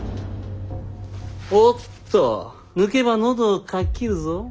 おっと抜けば喉をかき切るぞ。